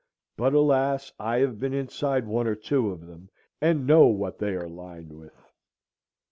But, alas! I have been inside one or two of them, and know what they are lined with.